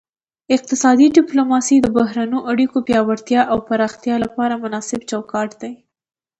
اقتصادي ډیپلوماسي د بهرنیو اړیکو پیاوړتیا او پراختیا لپاره مناسب چوکاټ دی